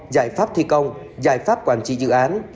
giải pháp thi công giải pháp quản trị dự án